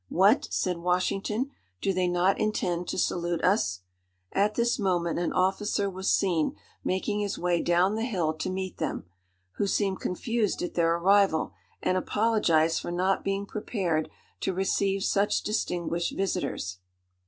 "What!" said Washington, "do they not intend to salute us!" At this moment an officer was seen making his way down the hill to meet them, who seemed confused at their arrival, and apologized for not being prepared to receive such distinguished visitors.